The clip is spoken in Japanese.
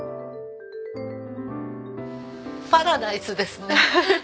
パラダイスですね。